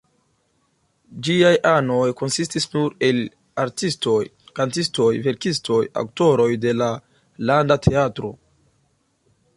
Ĝiaj anoj konsistis nur el artistoj, kantistoj, verkistoj, aktoroj de la Landa Teatro.